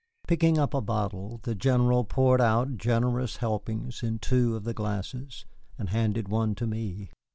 Picking up a bottle, the General poured out generous helpings in two of the glasses, and handed one to me.